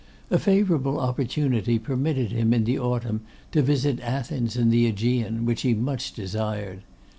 A favourable opportunity permitted him in the autumn to visit Athens and the AEgean, which he much desired.